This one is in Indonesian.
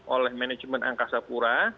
oleh manajemen angkasa pura